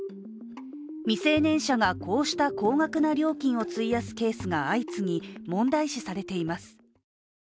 未成年者がこうした高額の料金を費やすケースが相次ぎ問題視されています。